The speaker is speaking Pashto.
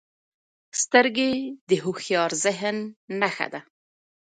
سترګې د هوښیار ذهن نښه ده